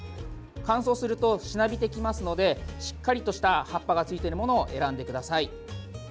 乾燥すると、しなびてきますのでしっかりとした葉っぱがついているものを選んでみてください。